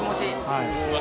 はい。